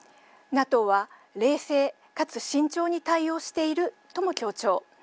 ＮＡＴＯは冷静かつ慎重に対応しているとも強調。